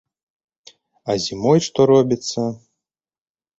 А зімой што робіцца!